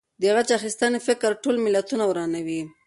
د غچ اخیستنې فکر ټول ملتونه ورانوي.